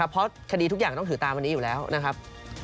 เพราะคดีทุกอย่างต้องถือตามวันนี้อยู่แล้วนะครับ